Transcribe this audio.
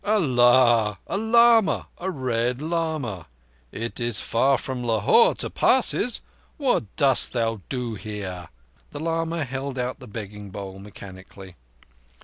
"Allah! A lama! A Red Lama! It is far from Lahore to the Passes. What dost thou do here?" The lama held out the begging bowl mechanically.